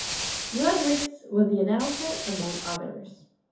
Glenn Riggs was the announcer, among others.